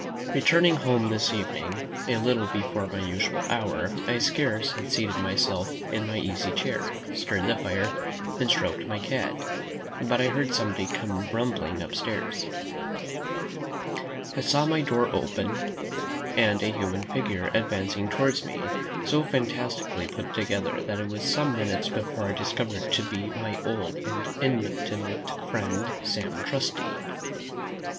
Returning home this evening, a little before my usual hour, I scarce had seated myself in my easy chair, stirred the fire, and stroked my cat, but I heard somebody come rumbling upstairs. I saw my door opened, and a human figure advancing towards me so fantastically put together that it was some minutes before I discovered it to be my old and intimate friend Sam Trusty.